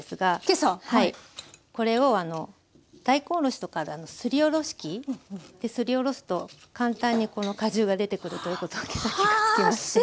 これをあの大根おろしとかあるあのすりおろし器ですりおろすと簡単にこの果汁が出てくるということを今朝気が付きました。